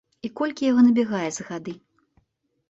І колькі яго набягае за гады?